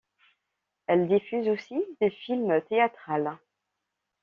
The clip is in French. Elle diffuse aussi des films théâtrales.